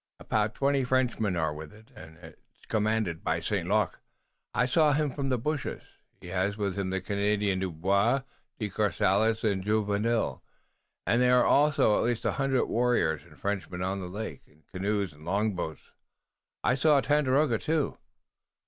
"About twenty Frenchmen are with it, and it is commanded by St. Luc. I saw him from the bushes. He has with him the Canadian, Dubois. De Courcelles and Jumonville are there also. At least a hundred warriors and Frenchmen are on the lake, in canoes and long boats. I saw Tandakora too."